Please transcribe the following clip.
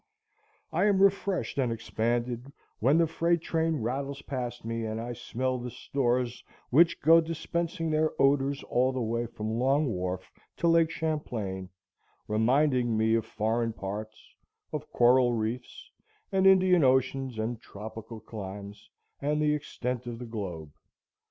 I am refreshed and expanded when the freight train rattles past me, and I smell the stores which go dispensing their odors all the way from Long Wharf to Lake Champlain, reminding me of foreign parts, of coral reefs, and Indian oceans, and tropical climes, and the extent of the globe.